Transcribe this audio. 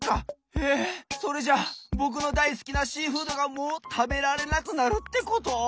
えっそれじゃぼくのだいすきなシーフードがもうたべられなくなるってこと！？